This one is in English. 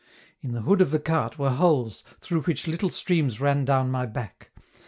In the hood of the cart were holes, through which little streams ran down my back.